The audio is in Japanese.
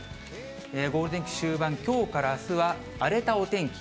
ゴールデンウィーク終盤、きょうからあすは荒れたお天気。